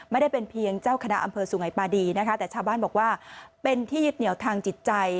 ไม่ได้เป็นเพียงเจ้าคณะอำเภอสุไงปาดีนะคะแต่ชาวบ้านบอกว่าเป็นที่ยึดเหนียวทางจิตใจ